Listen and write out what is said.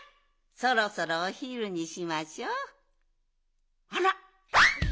そろそろおひるにしましょあら！？